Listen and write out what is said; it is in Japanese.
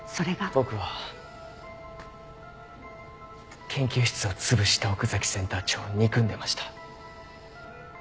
僕は研究室を潰した奥崎センター長を憎んでました。